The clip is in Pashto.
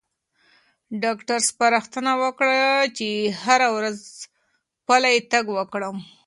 ډاکټر سپارښتنه وکړه چې هره ورځ پلی تګ وکړم.